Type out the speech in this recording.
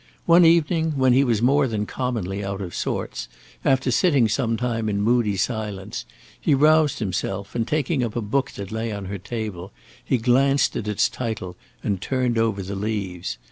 One evening when he was more than commonly out of sorts, after sitting some time in moody silence, he roused himself, and, taking up a book that lay on her table, he glanced at its title and turned over the leaves.